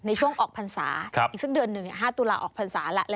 ในช่วงออกพรรษาอีกสักเดือนหนึ่ง๕ตุลาออกพรรษาแล้ว